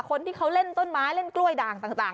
คนที่เขาเล่นต้นไม้เล่นกล้วยด่างต่าง